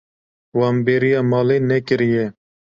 Wan bêriya malê nekiriye.